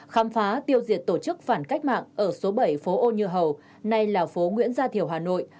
khám phá tiêu diệt tổ chức phản cách mạng ở số bảy phố ô như hầu nay là phố nguyễn gia thiểu hà nội